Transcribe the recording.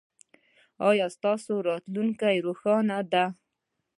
ایا ستاسو راتلونکې روښانه ده؟